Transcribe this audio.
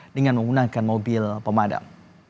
dengan menggunakan mobil pemadam